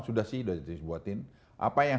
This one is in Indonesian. sudah sih sudah dibuatin apa yang